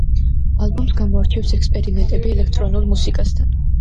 ალბომს გამოარჩევს ექსპერიმენტები ელექტრონულ მუსიკასთან.